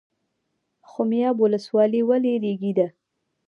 خمیاب ولسوالۍ ولې ریګي ده؟